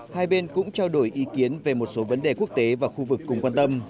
hai bên cũng trao đổi ý kiến về một số vấn đề quốc tế và khu vực cùng quan tâm